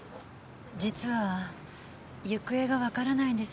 実は行方がわからないんです。